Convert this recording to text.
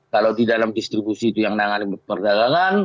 kalau di dalam distribusi itu yang menangani perdagangan